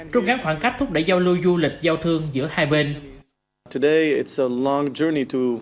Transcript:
trút ngắn khoảng cách thúc đẩy giao lưu du lịch giao thương giữa hai bên